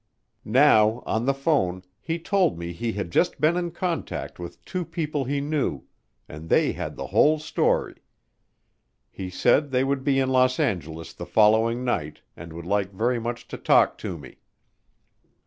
Now, on the phone, he told me he had just been in contact with two people he knew and they had the whole story. He said they would be in Los Angeles the following night and would like very much to talk to me.